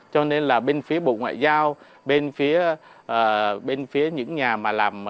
cho nên là bên phía bộ ngoại giao bên phía những nhà mà làm